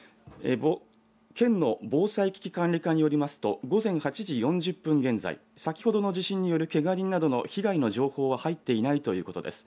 県の防災危機管理課によりますと午前８時４０分現在、先ほどの地震によるけが人などの被害の情報は入っていないということです。